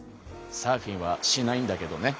サーフィンはしないんだけどね。